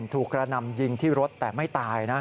กระนำยิงที่รถแต่ไม่ตายนะ